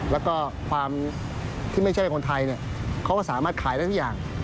แล้วก็ความที่ไม่ใช่คนไทยเขาก็สามารถขายได้ทุกอย่าง